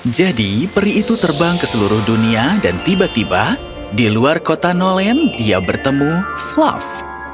peri itu terbang ke seluruh dunia dan tiba tiba di luar kota nolen dia bertemu fluff